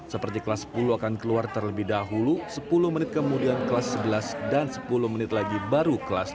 seperti kelas sepuluh akan keluar terlebih dahulu sepuluh menit kemudian kelas sebelas dan sepuluh menit lagi baru kelas tiga